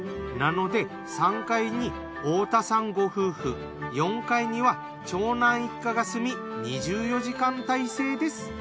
なので３階に太田さんご夫婦４階には長男一家が住み２４時間体制です。